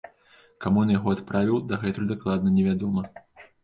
Каму ён яго адправіў, дагэтуль дакладна невядома.